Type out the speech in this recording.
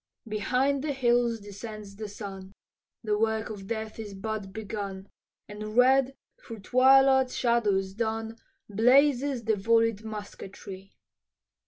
Behind the hills descends the sun, The work of death is but begun, And red through twilight's shadows dun Blazes the vollied musketry.